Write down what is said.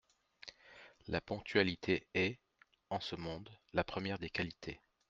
La ponctualité est, en ce monde, la première des qualités.